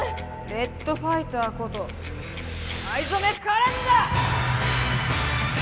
レッドファイターこと藍染カレンだ！